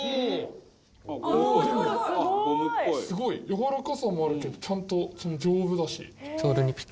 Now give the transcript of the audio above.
やわらかさもあるけどちゃんと丈夫だし。